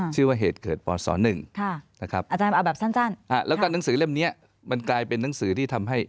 ชื่อเฮดเกิดปสหนึ่งนะครับแล้วกันเองมันกลายเป็นหนังสือที่ทำให้